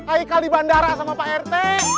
ikal di bandara sama pak rt